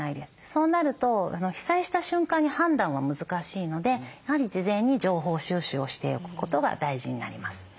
そうなると被災した瞬間に判断は難しいのでやはり事前に情報収集をしておくことが大事になります。